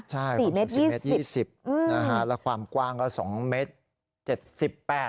ใช่คุณ๖๐เมตร๒๐นะฮะแล้วความกว้างก็๒เมตร